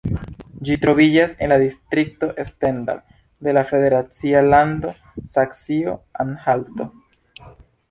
Ĝi troviĝas en la distrikto Stendal de la federacia lando Saksio-Anhalto.